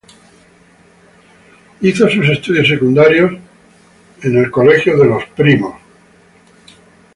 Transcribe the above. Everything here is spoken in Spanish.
Hizo sus estudios secundarios en el Colegio de los Hermanos Maristas de Quillota.